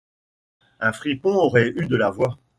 Un fripon aurait eu de la voix.